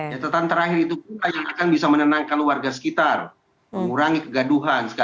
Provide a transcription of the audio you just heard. catatan terakhir itu pun yang akan bisa menenangkan keluarga sekitar mengurangi kegaduhan sekaligus membantu otoritas penegakan hukum